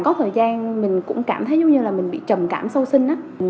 có thời gian mình cũng cảm thấy giống như là mình bị trầm cảm sâu sinh